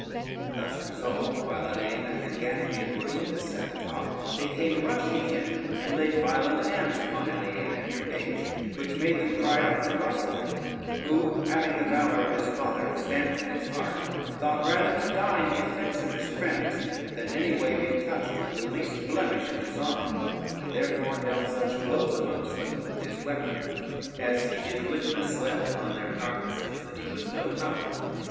Thus resolved, while Aliena and Ganymede were in this sad talk, they came rushing in, and laid violent hands upon Aliena and her page, which made them cry out to Rosader; who having the valor of his father stamped in his heart, thought rather to die in defence of his friends, than any way be touched with the least blemish of dishonor, and therefore dealt such blows amongst them with his weapon, as he did witness well upon their carcases that he was no coward.